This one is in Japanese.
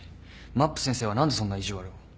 まっぷ先生は何でそんな意地悪を。